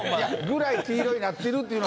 ぐらい黄色になってるっていう。